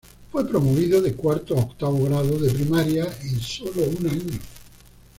Fue promovido de cuarto a octavo grado de Primaria en solo un año.